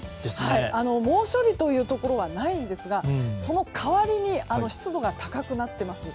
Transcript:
猛暑日というところはないんですがその代わりに湿度が高くなっています。